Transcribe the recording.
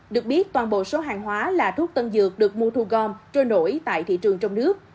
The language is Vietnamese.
được biết toàn bộ số hàng hóa là thuốc tân dược được mua thu gom trôi nổi tại thị trường trong nước